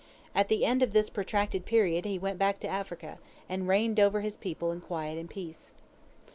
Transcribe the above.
At the end of this protracted period he went back to Africa, and reigned over his people in quiet and peace.